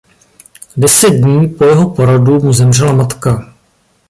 Deset dní po jeho porodu mu zemřela matka.